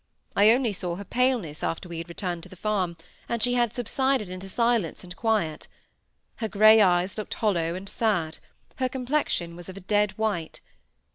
I only saw her paleness after we had returned to the farm, and she had subsided into silence and quiet. Her grey eyes looked hollow and sad; her complexion was of a dead white.